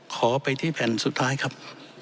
ขอไปที่แผ่นสุดท้ายครับ